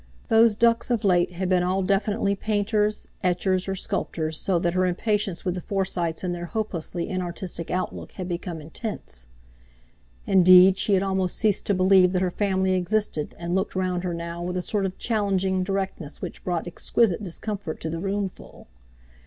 Those ducks of late had been all definitely painters, etchers, or sculptors, so that her impatience with the Forsytes and their hopelessly inartistic outlook had become intense. Indeed, she had almost ceased to believe that her family existed, and looked round her now with a sort of challenging directness which brought exquisite discomfort to the roomful.